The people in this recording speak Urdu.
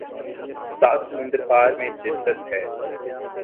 سات سمندر پار میں جدت ہے